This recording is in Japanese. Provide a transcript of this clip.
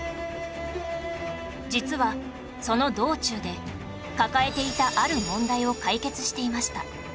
実はその道中で抱えていたある問題を解決していました